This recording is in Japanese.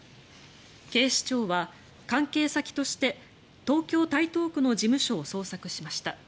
警視庁は関係先として東京・台東区の事務所を捜索しました。